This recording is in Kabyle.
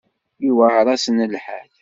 Iwεer-asen lḥal.